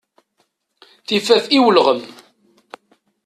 Tifaf i ulɣem.